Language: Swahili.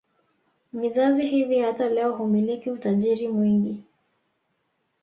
Vizazi hivi hata leo humiliki utajiri mwingi